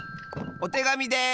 おてがみです！